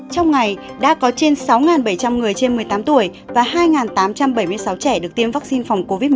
trong ngày đã có trên sáu bảy trăm linh người trên một mươi tám tuổi và hai tám trăm bảy mươi sáu trẻ được tiêm vaccine phòng covid một mươi chín